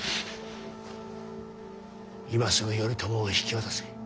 今すぐ頼朝を引き渡せ。